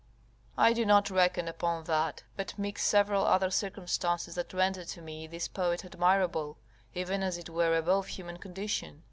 I do not reckon upon that, but mix several other circumstances that render to me this poet admirable, even as it were above human condition.